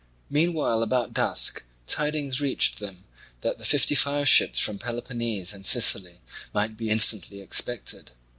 Meanwhile about dusk tidings reached them that the fifty five ships from Peloponnese and Sicily might be instantly expected.